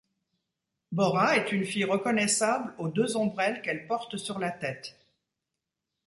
Bora est une fille reconnaissable aux deux ombrelles qu'elle porte sur la tête.